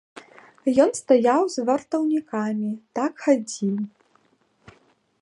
Ён стаяў з вартаўнікамі, так хадзіў.